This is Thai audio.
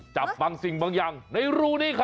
จับบางสิ่งบางอย่างในรูนี้ครับ